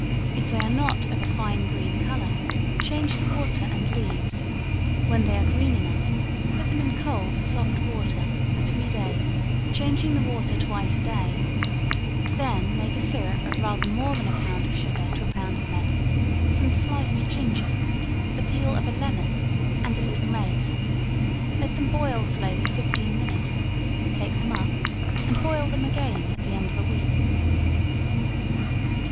If they are not of a fine green color, change the water and leaves; when they are green enough, put them in cold soft water for three days, changing the water twice a day; then make a syrup of rather more than a pound of sugar to a pound of melon, some sliced ginger, the peel of a lemon, and a little mace; let them boil slowly fifteen minutes, take them up, and boil them again at the end of a week.